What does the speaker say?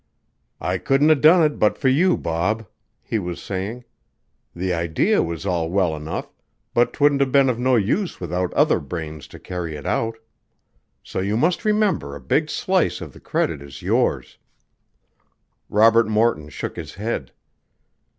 "I couldn't 'a' done it but for you, Bob," he was saying. "The idea was all well enough, but 'twould 'a' been of no use without other brains to carry it out. So you must remember a big slice of the credit is yours." Robert Morton shook his head.